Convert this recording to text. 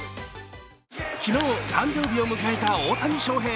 昨日、誕生日を迎えた大谷翔平。